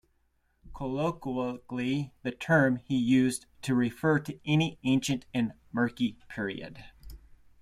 Colloquially, the term is used to refer to any ancient and murky period.